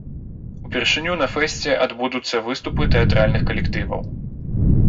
Упершыню на фэсце адбудуцца выступы тэатральных калектываў.